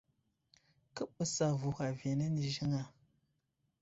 Kə ɓes avuh aviyenene ziŋ a ?